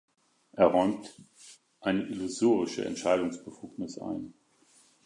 Er räumt eine illusorische Entscheidungsbefugnis ein.